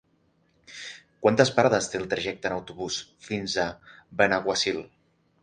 Quantes parades té el trajecte en autobús fins a Benaguasil?